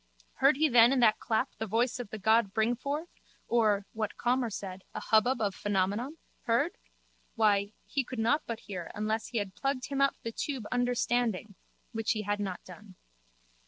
Heard he then in that clap the voice of the god Bringforth or, what Calmer said, a hubbub of Phenomenon? Heard? Why, he could not but hear unless he had plugged him up the tube Understanding (which he had not done).